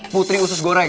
putri usus goreng